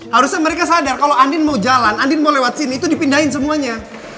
harusnya mereka sadar kalau andin mau jalan andin mau lewat sini itu dipindahin semuanya